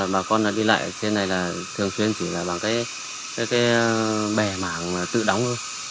bà con đi lại trên này là thường truyền chỉ là bằng cái bẻ mảng tự đóng thôi